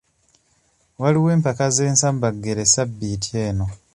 Waliyo empaka z'ensambaggere ssabbiiti eno.